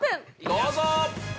どうぞ！